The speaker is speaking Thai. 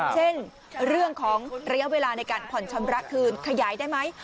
เช่นเรื่องของระยะเวลาในการผ่อนชำระคืนขยายได้ไหม